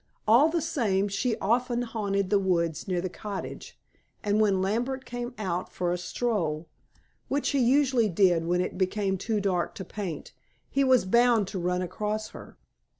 All the same, she often haunted the woods near the cottage, and when Lambert came out for a stroll, which he usually did when it became too dark to paint, he was bound to run across her.